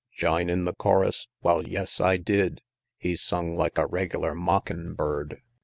XLIX. Jine in the chorus? Wal, yas, I did. He sung like a regilar mockin' bird.